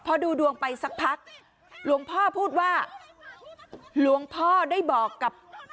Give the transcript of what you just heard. พอดูดวงไปสักพักหลวงพ่อพูดว่าหลวงพ่อได้บอกกับ